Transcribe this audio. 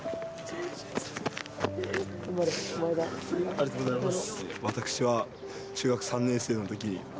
ありがとうございます。